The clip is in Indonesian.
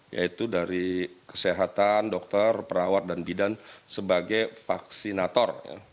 yaitu dari kesehatan dokter perawat dan bidan sebagai vaksinator